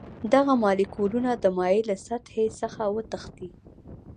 دغه مالیکولونه د مایع له سطحې څخه وتښتي.